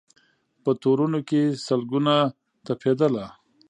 په تورونو کي سل ګونه تپېدله